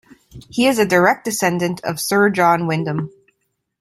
He is a direct descendant of Sir John Wyndham.